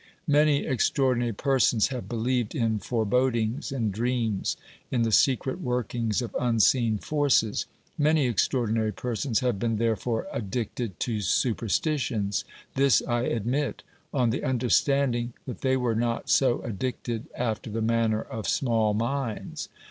Many extraordinary persons have believed in fore bodings, in dreams, in the secret workings of unseen forces; many extraordinary persons have been therefore addicted to superstitions; this I admit, on the under standing that they were not so addicted after the manner of small minds.